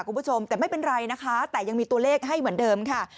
คุณผู้ชมแต่ไม่เป็นไรนะคะแต่ยังมีตัวเลขให้เหมือนเดิมค่ะ